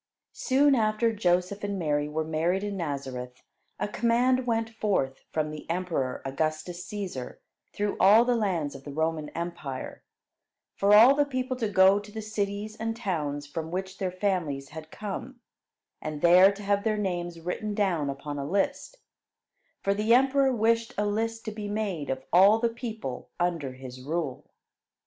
Soon after Joseph and Mary were married in Nazareth, a command went forth from the emperor Augustus Cæsar through all the lands of the Roman empire, for all the people to go to the cities and towns from which their families had come, and there to have their names written down upon a list, for the emperor wished a list to be made of all the people under his rule.